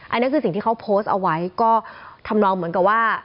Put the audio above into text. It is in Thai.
อันนี้คือสิ่งที่เขาโพสต์เอาไว้ก็ทำนองเหมือนกับว่า